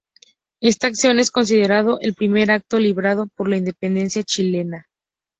Esta acción es considerado el primer acto librado por la independencia chilena.